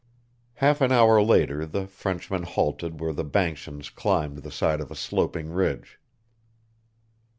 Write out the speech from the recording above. Half an hour later the Frenchman halted where the banskians climbed the side of a sloping ridge.